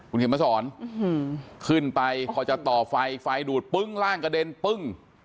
คุณเขียนมาสอนขึ้นไปพอจะต่อไฟไฟดูดปึ้งร่างกระเด็นปึ้ง